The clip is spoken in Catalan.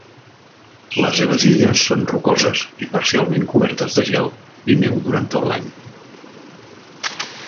Les seves illes són rocoses i parcialment cobertes de gel i neu durant tot l'any.